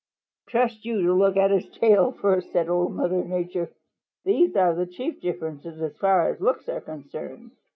"Trust you to look at his tail first," said Old Mother Nature. "These are the chief differences as far as looks are concerned.